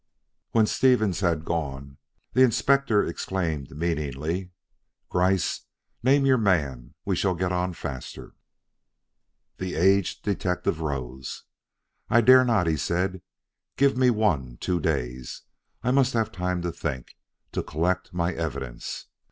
When Stevens had gone, the Inspector exclaimed meaningly: "Gryce! Name your man; we shall get on faster." The aged detective rose. "I dare not," he said. "Give me one two days. I must have time to think to collect my evidence.